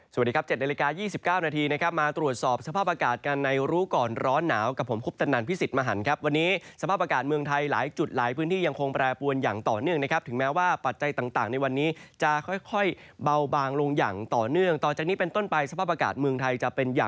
สวัสดีครับ๗นาฬิกา๒๙นาทีนะครับมาตรวจสอบสภาพอากาศกันในรู้ก่อนร้อนหนาวกับผมคุปตนันพิสิทธิ์มหันครับวันนี้สภาพอากาศเมืองไทยหลายจุดหลายพื้นที่ยังคงแปรปวนอย่างต่อเนื่องนะครับถึงแม้ว่าปัจจัยต่างในวันนี้จะค่อยเบาบางลงอย่างต่อเนื่องต่อจากนี้เป็นต้นไปสภาพอากาศเมืองไทยจะเป็นอย่าง